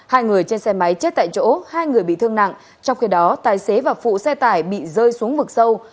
hai người trên xe máy chết tại chỗ hai người bị thương nặng trong khi đó tài xế và phụ xe tải bị rơi xuống vực sâu